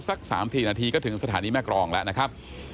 สัก๓๔นาทีก็ถึงสถานีแม่กรองแล้วนะครับ